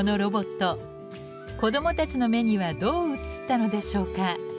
子どもたちの目にはどう映ったのでしょうか？